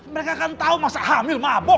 mereka kan tau masa hamil mabok